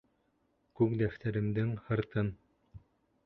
Күк дәфтәремдең һыртын!